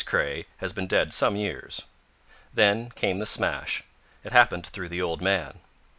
Craye has been dead some years. Then came the smash. It happened through the old man.